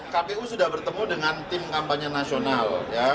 kpu sudah bertemu dengan tim kampanye nasional